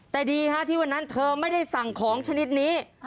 แต่ดีฮะที่วันนั้นเธอไม่ได้สั่งของชนิดนี้